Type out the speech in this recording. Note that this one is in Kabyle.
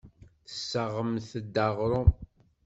Tessaɣemt-d aɣrum.